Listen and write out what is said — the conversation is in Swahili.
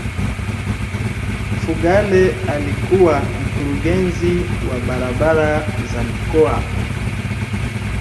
mfugale alikuwa mkurugenzi wa barabara za mikoa